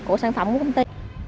của sản phẩm của công ty